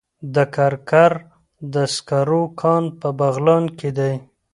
د کرکر د سکرو کان په بغلان کې دی